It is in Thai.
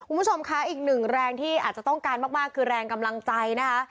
คุณผู้ชมคะอีกหนึ่งแรงที่อาจจะต้องการมากคือแรงกำลังใจนะคะ